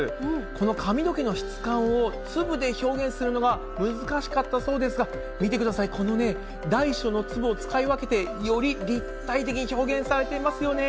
この髪の毛の質感をつぶで表現するのが難しかったそうですが、見てください、このね、大小のつぶを使い分けて、より立体的に表現されていますよね。